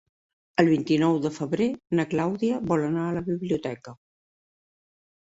El vint-i-nou de febrer na Clàudia vol anar a la biblioteca.